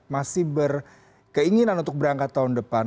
masih berkeinginan untuk berangkat tahun depan